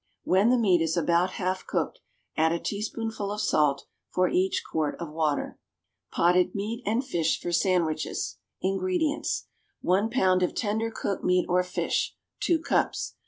When the meat is about half cooked, add a teaspoonful of salt for each quart of water. =Potted Meat and Fish for Sandwiches.= INGREDIENTS. 1 pound of tender cooked meat or fish (2 cups).